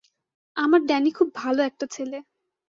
আমার ড্যানি খুব ভালো একটা ছেলে।